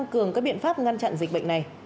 cường các biện pháp ngăn chặn dịch bệnh này